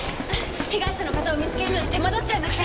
被害者の方を見つけるのに手間取っちゃいまして。